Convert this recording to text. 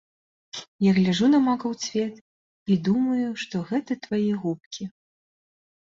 Я гляджу на макаў цвет і думаю, што гэта твае губкі.